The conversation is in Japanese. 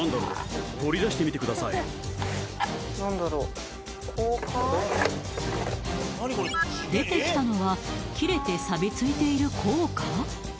何だろう出てきたのは切れてさびついている硬貨？